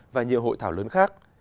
và nhiều hội thảo lớn khác